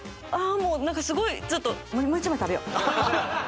もう何かすごいちょっともう１枚食べよう